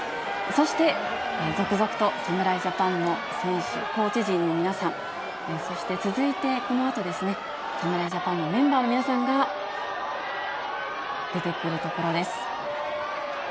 そして、続々と、侍ジャパンの選手、コーチ陣の皆さん、そして続いてこのあと、侍ジャパンのメンバーの皆さんが出てくるところです。